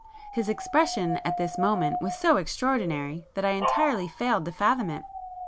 His expression at this moment was so extraordinary, that I entirely failed to fathom it.